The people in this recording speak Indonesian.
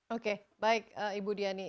oke baik ibu diani